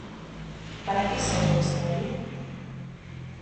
Para que serve a historia?